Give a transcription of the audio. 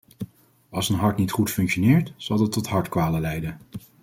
Als een hart niet goed functioneert, zal dat tot hartkwalen leiden.